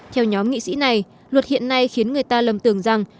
theo nhóm nghị sĩ này luật hiện nay khiến người ta lầm tưởng rằng